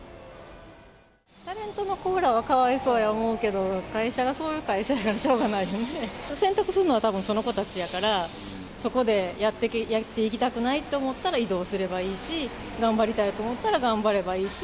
タレントの子らはかわいそうや思うけど、会社がそういう会社やからしょうがないよね。選択するのはたぶんその子たちやから、そこでやっていきたくないと思ったら移動すればいいし、頑張りたいと思ったら頑張ればいいし。